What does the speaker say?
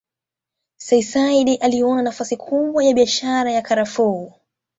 Sayyid Said aliona nafasi kubwa ya biashara ya karafuu